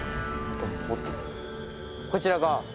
こちらが。